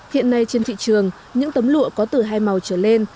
hiện nay trên thị trường những tấm lụa có từ hai màu trở lên